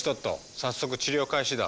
早速治療開始だ。